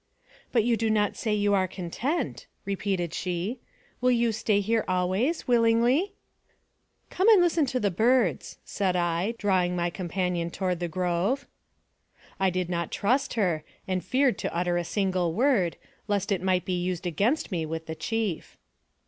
" But you do not say you are content," repeated she. " Will you stay here always, willingly ?"" Come and listen to the birds," said I, drawing my companion toward the grove. I did not trust her, and feared to utter a single word, lest it might be used against me with the chief.